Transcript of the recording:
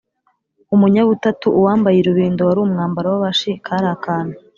umunyabutatu: uwambaye urubindo wari umwambaro w’abashi kari akantu